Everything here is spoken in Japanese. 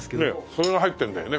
それが入ってるんだよね